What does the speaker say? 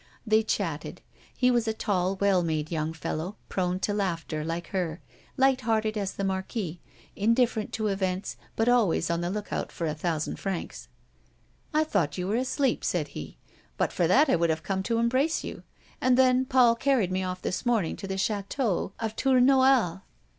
They chatted. He was a tall, well made young fellow, prone to laughter like her, light hearted as the Marquis, indifferent to events, but always on the lookout for a thousand francs. "I thought you were asleep," said he. "But for that I would have come to embrace you. And then Paul carried me off this morning to the château of Tournoel."